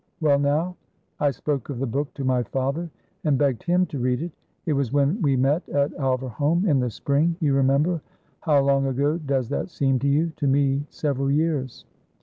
Well now, I spoke of the book to my father, and begged him to read it. It was when we met at Alverholme, in the spring, you remember? How long ago does that seem to you? To me, several years.